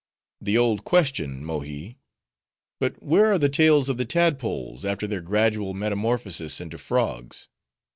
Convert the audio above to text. "The old question, Mohi. But where are the tails of the tadpoles, after their gradual metamorphosis into frogs?